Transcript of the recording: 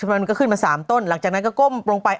มันก็ขึ้นมา๓ต้นหลังจากนั้นก็ก้มลงไป